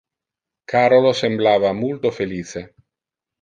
Carolo semblava multo felice.